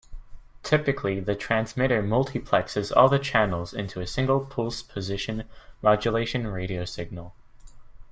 Typically the transmitter multiplexes all the channels into a single pulse-position modulation radio signal.